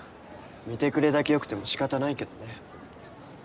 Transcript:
見てくれだけ良くても仕方ないけどね。